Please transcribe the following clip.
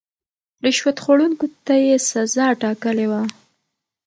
رشوت خوړونکو ته يې سزا ټاکلې وه.